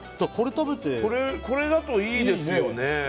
これだといいですよね。